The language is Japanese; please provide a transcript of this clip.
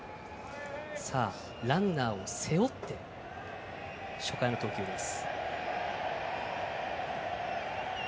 ランナーを背負って初回の投球です。